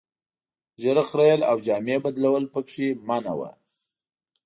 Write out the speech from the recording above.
ږیره خرییل او جامې بدلول پکې منع وو.